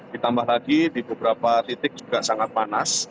ditambah lagi di beberapa titik juga sangat panas